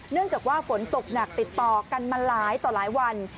เนื่องจากว่าฝนตกหนักติดต่อกันมาหลายต่อหลายวัน